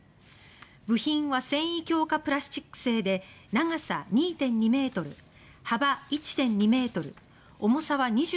部品は繊維強化プラスチック製で長さ２．２ｍ、幅１．２ｍ重さは２５ｋｇということです。